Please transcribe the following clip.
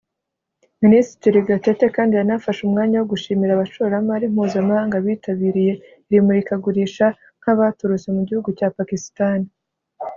Minisitiri Gatete kandi yanafashe umwanya wo gushimira abashoramari mpuzamahanga bitabiriye iri murikagurisha nk’abaturutse mu gihugu cya Pakistani